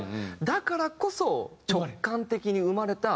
だからこそ直感的に生まれた。